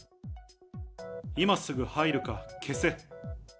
今すぐ入るか、けさ。